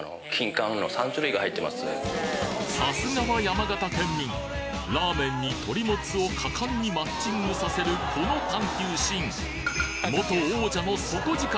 さすがは山形県民ラーメンに鳥もつを果敢にマッチングさせるこの探求心元王者の底力